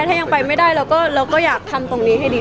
แต่จริงแล้วเขาก็ไม่ได้กลิ่นกันว่าถ้าเราจะมีเพลงไทยก็ได้